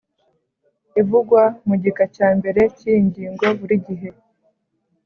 ivugwa mu gika cya mbere cy’iyi ngingo buri gihe.